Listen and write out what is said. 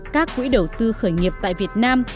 các quỹ đầu tư khởi nghiệp tại việt nam